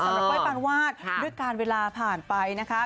สำหรับเบ้ยปานวาดด้วยการเวลาผ่านไปนะคะ